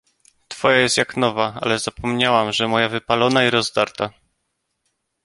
"Twoja jest jak nowa; ale zapomniałam, że moja wypalona i rozdarta!"